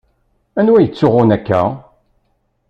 Anwa yettsuɣun akka?